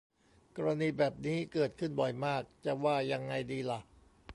กรณีแบบนี้เกิดขึ้นบ่อยมาก จะว่ายังไงดีหล่ะ